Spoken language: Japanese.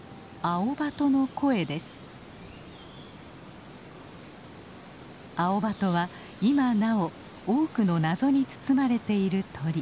アオバトは今なお多くの謎に包まれている鳥。